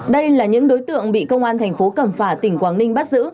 đây là những đối tượng bị công an thành phố cẩm phả tỉnh quảng ninh bắt giữ